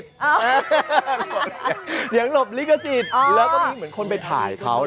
อย่างหลบลิขสิทธิ์แล้วก็มีเหมือนคนไปถ่ายเขา